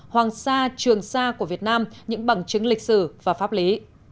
hoàng sa trường sa của việt nam những bằng chứng lịch sử và pháp lý